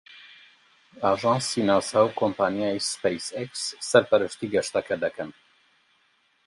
ئاژانسی ناسا و کۆمپانیای سپەیس ئێکس سەرپەرشتی گەشتەکە دەکەن.